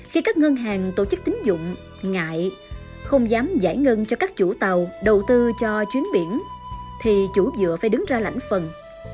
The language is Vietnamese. khi các ngân hàng tổ chức tính dụng ngại không dám giải ngân cho các chủ tàu đầu tư cho chuyến biển thì chủ dựa phải đứng ra lãnh phần